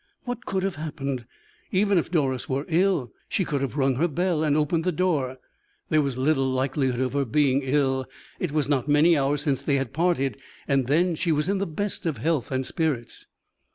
What could have happened? Even if Doris were ill she could have rung her bell and opened the door. There was little likelihood of her being ill: it was not many hours since they had parted, and then she was in the best of health and spirits.